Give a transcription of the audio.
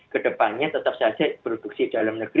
kedepannya tetap saja produksi dalam negeri